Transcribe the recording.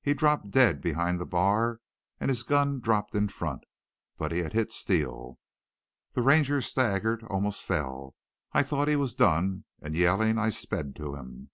"He dropped dead behind the bar and his gun dropped in front. But he had hit Steele. "The Ranger staggered, almost fell. I thought he was done, and, yelling, I sped to him.